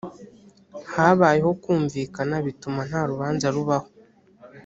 habayeho kumvikana bituma nta rubanza rubaho